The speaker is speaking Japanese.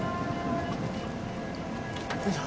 よいしょ。